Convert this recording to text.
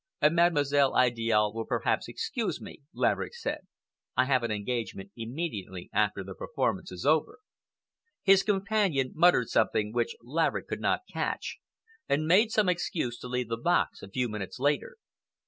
"Mademoiselle Idiale will perhaps excuse me," Laverick said. "I have an engagement immediately after the performance is over." His companion muttered something which Laverick could not catch, and made some excuse to leave the box a few minutes later.